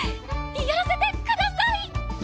やらせてください！！